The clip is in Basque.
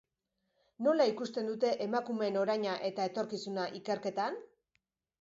Nola ikusten dute emakumeen oraina eta etorkizuna ikerketan?